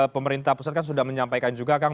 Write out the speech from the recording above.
pemerintah pusat kan sudah menyampaikan juga kang